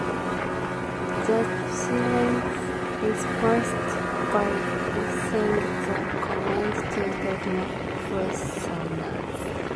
The Chileans responded by issuing the command to take no prisoners.